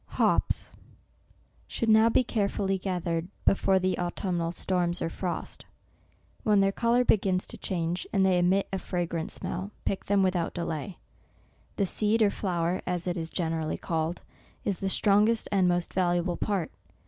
HOPS should now be carefully gathered, before the autumnal storms, or frost. When their col* our begins to change, and they emit a fragrant smell, pick them without delay. The seed, or flower, as it is generally called, is the strongest and most valuable part.